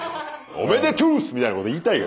「おめでトゥース！」みたいなこと言いたいよ